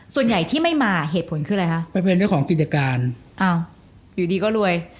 ส่วนใหญ่ที่ไม่มาเหตุผลคืออะไรคะไปเป็นเจ้าของกิจการอ้าวอยู่ดีก็รวย